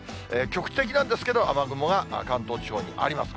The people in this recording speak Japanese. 局地的なんですけど、雨雲が関東地方にあります。